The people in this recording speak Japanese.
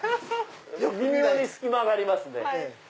微妙に隙間がありますね。